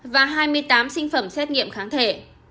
và hai mươi tám sinh phẩm xét nghiệm kháng thể